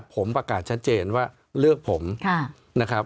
ผมประกาศชัดเจนว่าเลือกผมนะครับ